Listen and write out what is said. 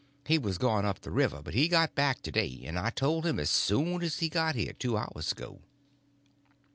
He was gone up the river; but he got back to day, and I told him as soon as he got here two hours ago."